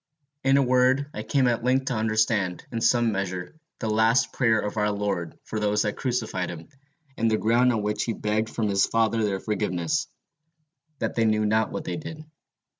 In a word, I came at length to understand, in some measure, the last prayer of our Lord for those that crucified him, and the ground on which he begged from his Father their forgiveness, that they knew not what they did.